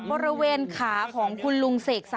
บริเวณขาของคุณลุงเศษนะครับ